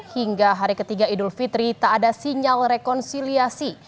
hingga hari ketiga idul fitri tak ada sinyal rekonsiliasi